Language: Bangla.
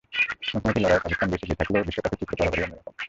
মুখোমুখি লড়াইয়ে পাকিস্তান বেশ এগিয়ে থাকলেও বিশ্বকাপের চিত্র বরাবরই অন্য রকম।